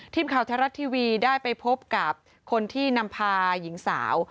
ทีมข่าวไทยรัฐทีวีได้ไปพบกับคนที่นำพาหญิงสาว